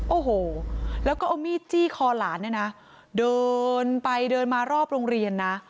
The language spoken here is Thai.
โอ้โหแล้วก็เอามีดจี้คอหลานเนี่ยนะเดินไปเดินมารอบโรงเรียนนะ